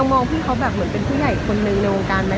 ยังมองพี่เขาเหมือนผู้ใหญ่คุณหนึ่งในวงการไหม